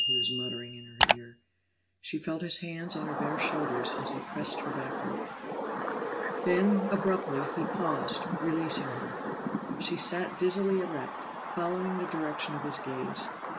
he was muttering in her ear. She felt his hands on her bare shoulders as he pressed her backward. Then, abruptly, he paused, releasing her. She sat dizzily erect, following the direction of his gaze.